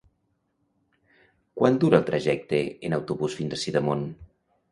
Quant dura el trajecte en autobús fins a Sidamon?